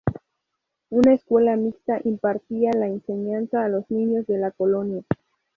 Una escuela mixta impartía la enseñanza a los niños de La colonia.